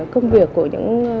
công việc của những